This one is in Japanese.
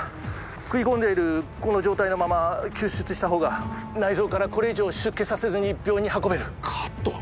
食い込んでいるこの状態のまま救出したほうが内臓からこれ以上出血させずに病院に運べるカット？